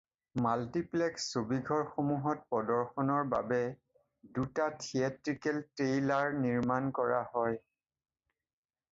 Multiplex ছবিঘৰসমূহত প্ৰদৰ্শনৰ বাবে দুটা 'থিয়েট্ৰিকেল ট্ৰেইলাৰ' নিৰ্মাণ কৰা হয়।